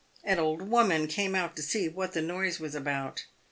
An old woman came out to see what the noise was about.